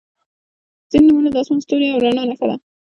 • ځینې نومونه د آسمان، ستوریو او رڼا نښه ده.